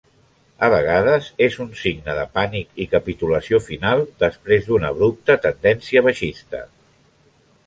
A vegades és un signe de pànic i capitulació final després d'una abrupta tendència baixista.